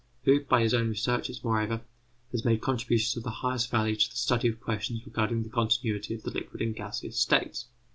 Mathias, who, by his own researches, moreover, has made contributions of the highest value to the study of questions regarding the continuity of the liquid and gaseous states.